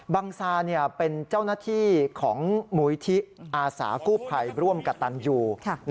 ซาเป็นเจ้าหน้าที่ของมูลิธิอาสากู้ภัยร่วมกับตันยู